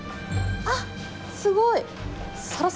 あっすごい！